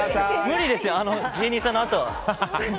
無理ですよ、芸人さんのあとは。